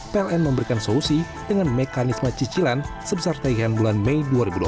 pln memberikan solusi dengan mekanisme cicilan sebesar tagihan bulan mei dua ribu dua puluh